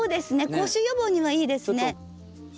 口臭予防にはいいですね。